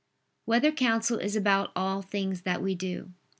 4] Whether Counsel Is About All Things That We Do?